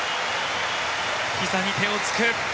ひざに手をつく。